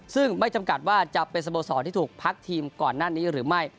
ซึ่งไม่จำกัดว่าจะเป็นสโมสรที่ถูกพักทีมก่อนหน้านี้หรือไม่